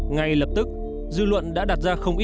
ngay lập tức dư luận đã đặt ra không ít